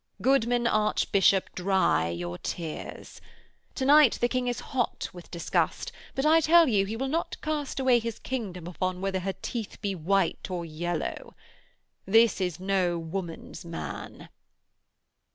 'Goodman Archbishop, dry your tears. To night the King is hot with disgust, but I tell you he will not cast away his kingdom upon whether her teeth be white or yellow. This is no woman's man.'